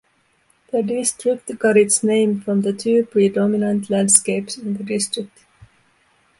The district got its name from the two predominant landscapes in the district.